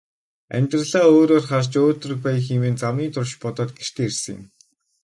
Амьдралаа өөрөөр харж өөдрөг байя хэмээн замын турш бодоод гэртээ ирсэн юм.